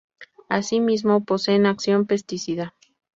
Asimismo, poseen acción pesticida.